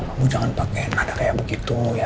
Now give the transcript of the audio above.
kamu jangan pakai nada kayak begitu ya